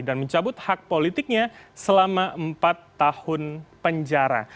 dan mencabut hak politiknya selama empat tahun penjara